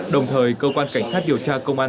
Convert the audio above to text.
đồng thời cơ quan cảnh sát điều tra công an